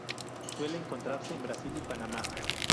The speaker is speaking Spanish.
Suele encontrarse en Brasil y Panamá.